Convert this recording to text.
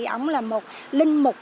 ông là một linh mục